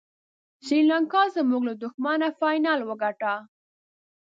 سریلانکا زموږ له دښمنه فاینل وګاټه.